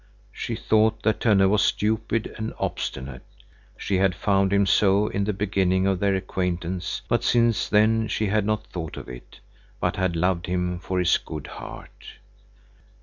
She thought that Tönne was stupid and obstinate. She had found him so in the beginning of their acquaintance, but since then she had not thought of it, but had loved him for his good heart.